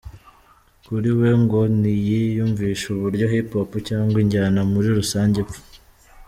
Kuri we ngo ntiyiyumvisha uburyo Hip Hop cyangwa injyana muri rusange ipfa.